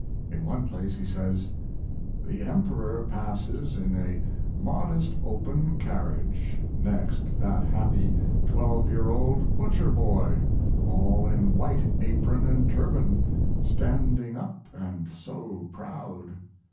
In one place he says: The Emperor passes in a modest open carriage. Next that happy 12 year old butcher boy, all in white apron and turban, standing up & so proud!